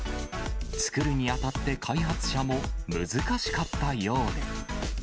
作るにあたって開発者も難しかったようで。